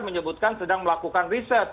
menyebutkan sedang melakukan riset